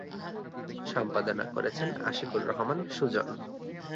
সম্পাদনা করেছেন আশিকুর রহমান সুজন।